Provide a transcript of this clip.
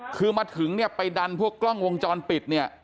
คือมาถึงเนี่ยไปดันพวกกล้องวงจรปิดเนี่ย